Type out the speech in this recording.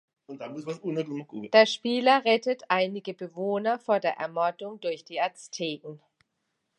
Der Spieler rettet einige Bewohner vor der Ermordung durch die Azteken.